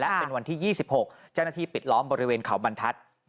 และเป็นวันที่๒๖เจ้าหน้าที่ปิดล้อมบริเวณเขาบรรทัศน์